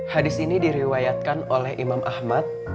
hadis ini diriwayatkan oleh imam ahmad